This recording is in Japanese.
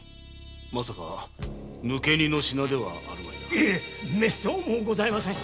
まさか抜け荷の品ではあるまいな？めっそうもない。